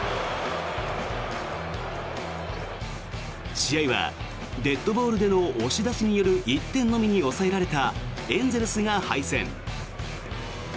試合はデッドボールでの押し出しによる１点のみに抑えられたエンゼルスが敗戦。